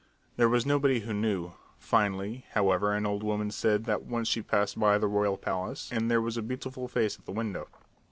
There was nobody who knew. Finally, however, an old woman said that once she passed by the royal palace and there was a beautiful face at the window.